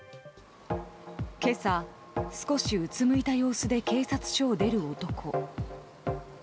今朝、少しうつむいた様子で警察署を出る男。